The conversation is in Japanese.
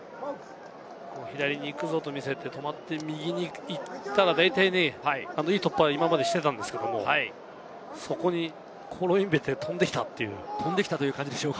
左に行くぞとみせて、止まって右に行ったら、大体いい突破を今までしていたんですけれども、そこにコロインベテが飛んできたっていう。